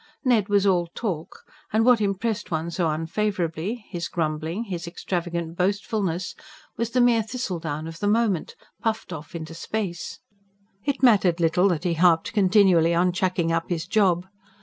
Ned was all talk; and what impressed one so unfavourably his grumbling, his extravagant boastfulness was the mere thistledown of the moment, puffed off into space. It mattered little that he harped continually on "chucking up" his job.